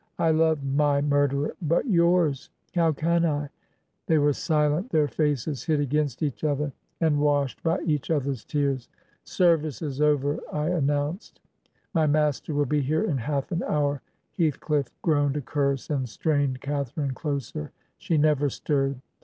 I love my murderer — but yours I How can I?' They were silent — their faces hid against each other, and 235 Digitized by VjOOQIC HEROINES OF FICTION washed by each other's tears. ' Service is over/ I an nounced. 'My master will be here in half an hour.' Heathcliff groaned a curse, and strained Catharine closer: she never stirred.